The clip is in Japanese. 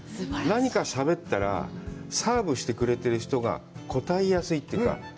何かしゃべったら、サーブしてくれてる人が答えやすいというか。